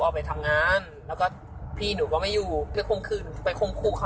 ออกไปทำงานแล้วก็พี่หนูก็ไม่อยู่ไปคมคืนหนูไปคมครูเขา